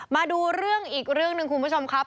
มาดูเรื่องอีกเรื่องหนึ่งคุณผู้ชมครับ